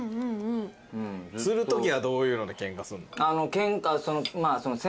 するときはどういうのでケンカすんの？